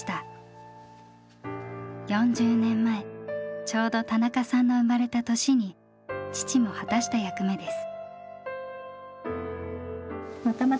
４０年前ちょうど田中さんの生まれた年に父も果たした役目です。